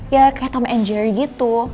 ya kayak tom and jerry gitu